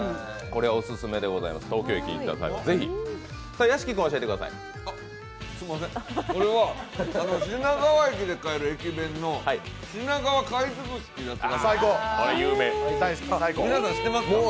これはオススメでございます。